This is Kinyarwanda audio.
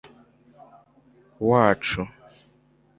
wacu